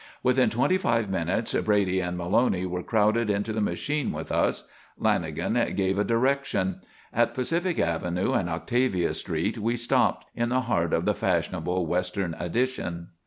Within twenty five minutes Brady and Maloney were crowded into the machine with us. Lanagan gave a direction. At Pacific Avenue and Octavia Street we stopped, in the heart of the fashionable western addition.